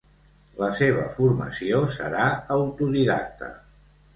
La seva formació serà autodidacta.